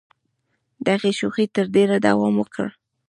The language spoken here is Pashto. دغې شوخۍ تر ډېره دوام وکړ.